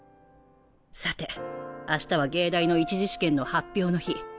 さて明日は藝大の１次試験の発表の日。